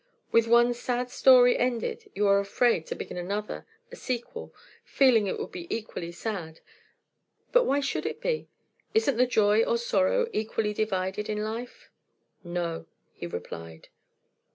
With one sad story ended you are afraid to begin another a sequel feeling it would be equally sad. But why should it be? Isn't the joy or sorrow equally divided in life?" "No," he replied.